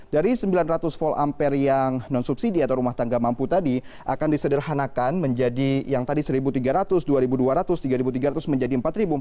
dan penggolongan ini ialah dari sembilan ratus volt ampere yang non subsidi atau rumah tangga mampu tadi akan disederhanakan menjadi yang tadi seribu tiga ratus dua ribu dua ratus tiga ribu tiga ratus menjadi empat ribu empat ratus